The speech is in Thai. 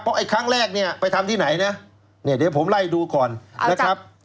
เพราะครั้งแรกไปทำที่ไหนนะเดี๋ยวผมไล่ดูก่อนนะครับ